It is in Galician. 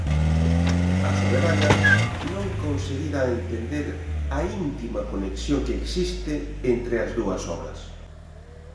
A soberana non conseguira entender a íntima conexión que existe entre as dúas obras.